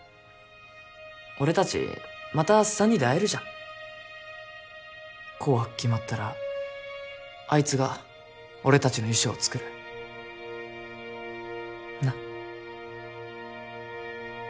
俺たちまた３人で会えるじゃん「紅白」決まったらあいつが俺たちの衣装を作るなっ？